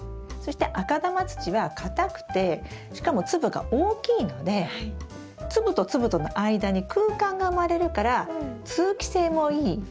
そして赤玉土は硬くてしかも粒が大きいので粒と粒との間に空間が生まれるから通気性もいい。